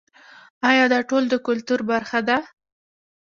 آیا دا ټول د کلتور برخه ده؟